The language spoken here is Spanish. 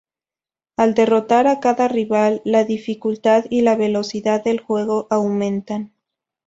Al derrotar a cada rival, la dificultad y la velocidad del juego aumentan.